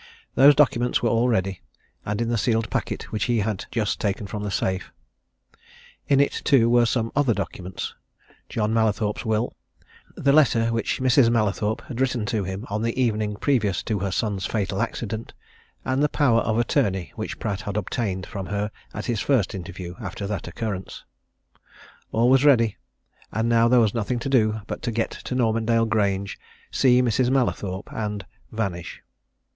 Those documents were all ready, and in the sealed packet which he had just taken from the safe; in it, too, were some other documents John Mallathorpe's will; the letter which Mrs. Mallathorpe had written to him on the evening previous to her son's fatal accident; and the power of attorney which Pratt had obtained from her at his first interview after that occurrence. All was ready and now there was nothing to do but to get to Normandale Grange, see Mrs. Mallathorpe, and vanish.